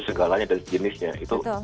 segalanya dan jenisnya itu